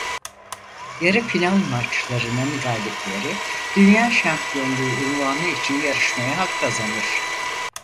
Yarı final maçlarının galipleri dünya şampiyonluğu unvanı için yarışmaya hak kazanır.